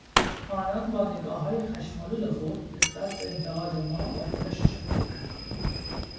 آنان با نگاههای خشمآلود خود نسبت به انتقاد ما واکنش نشان دادند.